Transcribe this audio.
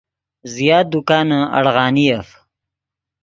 زیات دکانے اڑغانیف